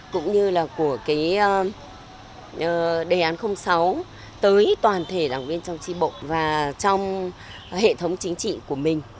cũng như là của đề án sáu tới toàn thể đảng viên trong tri bộ và trong hệ thống chính trị của mình